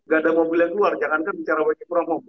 gak ada mobil yang keluar jangankan bicara working from home